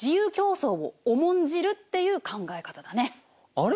あれ？